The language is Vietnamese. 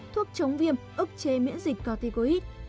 thuốc chống viêm ức chê miễn dịch corticoid